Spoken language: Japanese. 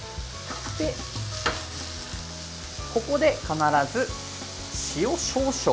ここで必ず塩少々。